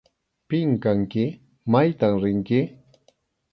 ¿Pim kanki? ¿Maytam rinki?